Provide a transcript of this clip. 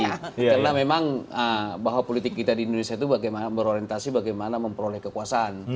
karena memang bahwa politik kita di indonesia itu bagaimana berorientasi bagaimana memperoleh kekuasaan